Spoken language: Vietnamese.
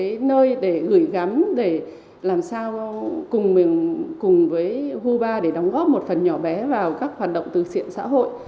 một nơi để gửi gắm để làm sao cùng với hubar để đóng góp một phần nhỏ bé vào các hoạt động từ xuyện xã hội